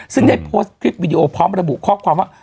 ซึ่งได้โพสต์คลิปวิดีโอพร้อมระบุข้อความว่า